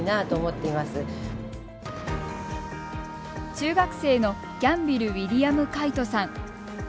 中学生のギャンビルウィリアム海音さん。